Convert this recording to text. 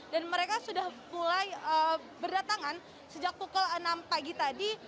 dan mereka sudah mulai berdatangan sejak pukul enam pagi tadi